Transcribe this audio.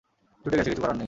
জুটে গেছে, কিছু করার নেই।